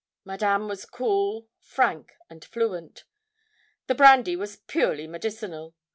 Madame was cool, frank, and fluent. The brandy was purely medicinal.